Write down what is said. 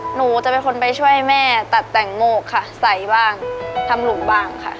หนูจะเป็นคนไปช่วยแม่ตัดแต่งโมกค่ะใส่บ้างทำหลุมบ้างค่ะ